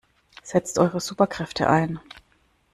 Setzt eure Superkräfte ein!